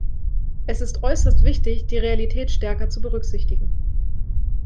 Es ist äußerst wichtig, die Realität stärker zu berücksichtigen.